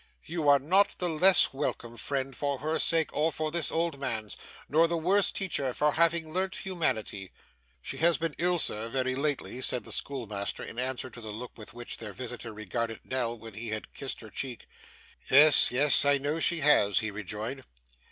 You are not the less welcome, friend, for her sake, or for this old man's; nor the worse teacher for having learnt humanity.' 'She has been ill, sir, very lately,' said the schoolmaster, in answer to the look with which their visitor regarded Nell when he had kissed her cheek. 'Yes, yes. I know she has,' he rejoined.